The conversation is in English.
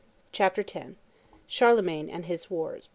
CHAPTER X CHARLEMAGNE AND HIS WARS.